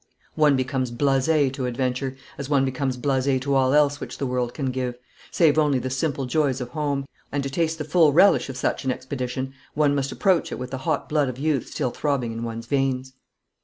One becomes blase to adventure, as one becomes blase to all else which the world can give, save only the simple joys of home, and to taste the full relish of such an expedition one must approach it with the hot blood of youth still throbbing in one's veins.